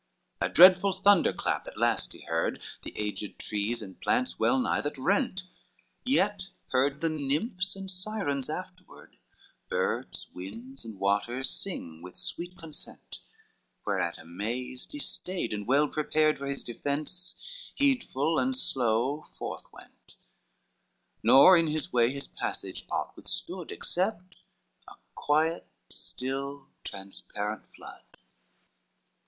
XIX A dreadful thunder clap at last he heard, The aged trees and plants well nigh that rent; Yet heard the nymphs and sirens afterward, Birds, winds, and waters, sing with sweet consent: Whereat amazed he stayed, and well prepared For his defence, heedful and slow forth went: Nor in his way his passage aught withstood, Except a quiet, still, transparent flood.